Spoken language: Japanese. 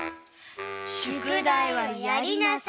しゅくだいはやりなさい！